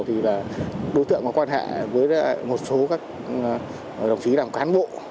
thì đối tượng có quan hệ với một số các đồng chí làm cán bộ